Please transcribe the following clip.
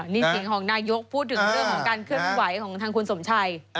นี่เสียงของนายกพูดถึงเรื่องของการเคลื่อนไหวของทางคุณสมชัย